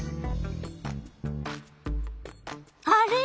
あれ？